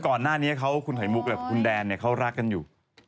ก่อนหน้านี้คุณไข่มุกและคุณแดนเนี่ยเขารักกันอยู่